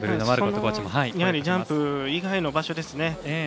ジャンプ以外の場所ですね。